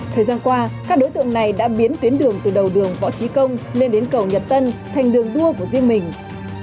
thời gian qua các đối tượng này đã biến tuyến đường từ đầu đường võ trí công lên đến cầu nhật tân thành đường đua của riêng mình